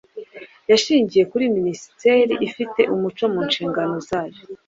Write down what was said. Yashingira kuli Ministere ifite umuco mu nshingano zayo.